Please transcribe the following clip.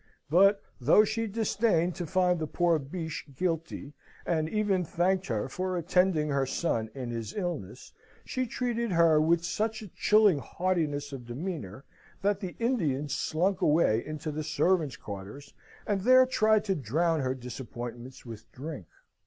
But, though she disdained to find the poor Biche guilty, and even thanked her for attending her son in his illness, she treated her with such a chilling haughtiness of demeanour, that the Indian slunk away into the servants' quarters, and there tried to drown her disappointments with drink.